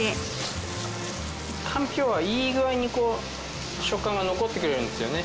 かんぴょうはいい具合にこう食感が残ってくれるんですよね。